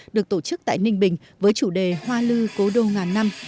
được tổ chức tại ninh bình với chủ đề hoa lư cố đô ngàn năm